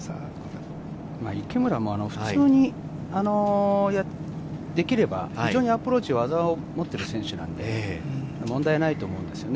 池村も普通にできれば、非常にアプローチは技を持っている選手なんで、問題ないと思うんですよね。